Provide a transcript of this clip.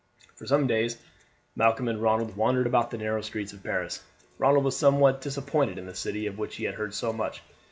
For some days Malcolm and Ronald wandered about the narrow streets of Paris. Ronald was somewhat disappointed in the city of which he had heard so much.